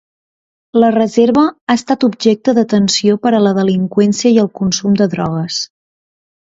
La reserva ha estat objecte d'atenció per a la delinqüència i el consum de drogues.